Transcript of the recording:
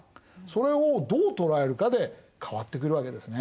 それをどう捉えるかで変わってくるわけですね。